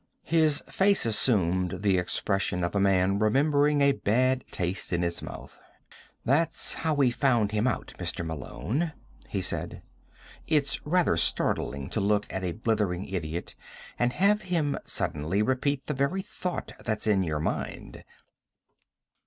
His face assumed the expression of a man remembering a bad taste in his mouth. "That's how we found him out, Mr. Malone," he said. "It's rather startling to look at a blithering idiot and have him suddenly repeat the very thought that's in your mind."